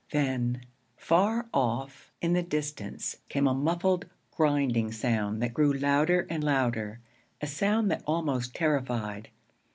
Then, far off in the distance, came a muffled, grinding sound that grew louder and louder a sound that almost terrified.